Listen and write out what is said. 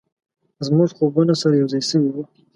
زموږ خوبونه سره یو ځای شوي و،